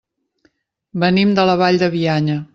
Venim de la Vall de Bianya.